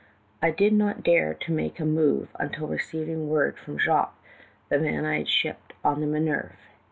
I did not dare make a move until receiving word from Jacques, the man I had shipped on the Minerve.